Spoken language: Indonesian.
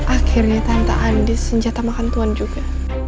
akhirnya tante andis senjata makan tuan juga